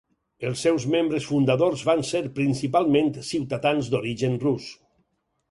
Els seus membres fundadors van ser principalment ciutadans d'origen rus.